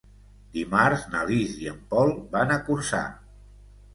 Dimarts na Lis i en Pol van a Corçà.